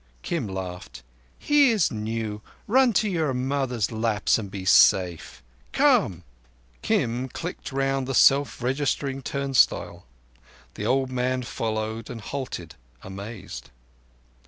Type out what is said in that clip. Kim laughed. "He is new. Run to your mothers' laps, and be safe. Come!" Kim clicked round the self registering turnstile; the old man followed and halted amazed.